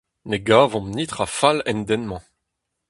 Ne gavomp netra fall en den-mañ !